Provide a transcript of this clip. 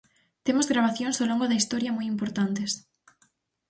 Temos gravacións ao longo da historia moi importantes.